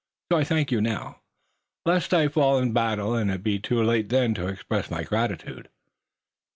So, I thank you now, lest I fall in the battle, and it be too late then to express my gratitude."